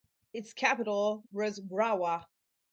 Its capital was Rawa.